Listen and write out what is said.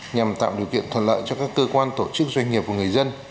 nhằm tạo điều kiện thuận lợi cho các cơ quan tổ chức doanh nghiệp và người dân